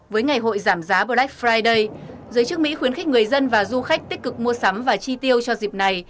với ngày hội giảm giá black friday giới chức mỹ khuyến khích người dân và du khách tích cực mua sắm và chi tiêu cho dịp này